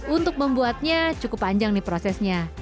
untuk membuatnya cukup panjang nih prosesnya